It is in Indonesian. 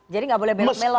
jadi gak boleh belok belok